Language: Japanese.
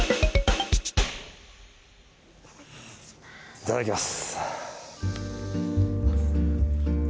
いただきます。